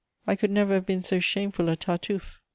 _ I could never have been so shameful a Tartuffe.